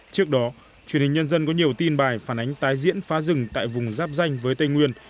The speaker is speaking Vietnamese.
trước đó truyền hình nhân dân có nhiều tin bài phản ánh tái diễn phá rừng tại vùng giáp danh với tây nguyên